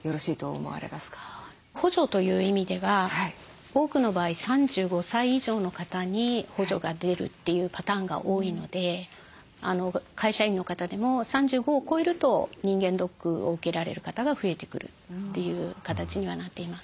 補助という意味では多くの場合３５歳以上の方に補助が出るというパターンが多いので会社員の方でも３５を超えると人間ドックを受けられる方が増えてくるという形にはなっています。